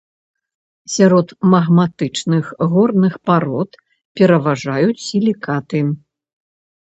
Сярод магматычных горных парод пераважаюць сілікаты.